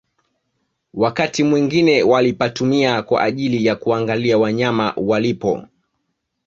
Wakati mwingie walipatumia kwa ajili ya kuangalia wanyama walipo